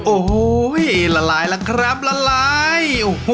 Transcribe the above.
โอ้โหละลายละครับละลาย